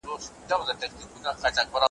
بیا به ګل بیا به بلبل وی شالمار به انار ګل وي ,